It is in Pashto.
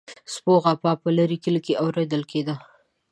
د سپو غپا په لرې کلي کې اوریدل کیده.